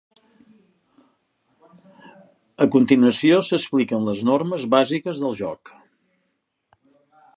A continuació s'expliquen les normes bàsiques del joc.